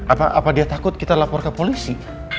apa apa dia takut kita lapor ke polisi